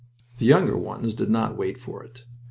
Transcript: The younger ones did not wait for it.